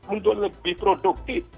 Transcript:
untuk lebih produktif